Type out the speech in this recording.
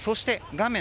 画面